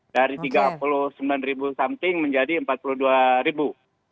dari tiga puluh sembilan ribu something menjadi empat puluh dua ribu